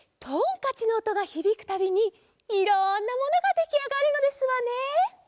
とんかちのおとがひびくたびにいろんなものができあがるのですわね。